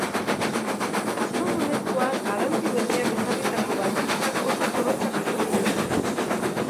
Azken momentuan araudi berriak ezarritako baldintzak oso zorrotzak izan dira.